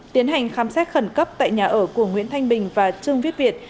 tiến hành khám xét khẩn cấp tại nhà ở của nguyễn thanh bình và trương viết việt